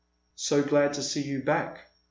" So glad to see you back !